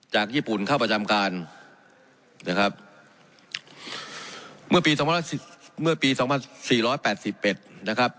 จากญี่ปุ่นเข้าประจำการนะครับเมื่อปีสองพันร้อยสิบเมื่อปีสองพันสี่ร้อยแปดสิบเอ็ดนะครับ